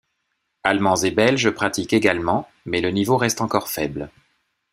Allemands et Belges pratiquent également mais le niveau reste encore faible.